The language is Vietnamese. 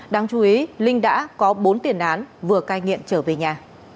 đáng chú ý linh đã có bốn tiền án vừa cai nghiện trở về nhà